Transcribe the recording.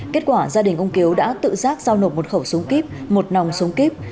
kết quả gia đình ông kiếu đã tự giác giao nộp một khẩu súng kíp một nòng súng kíp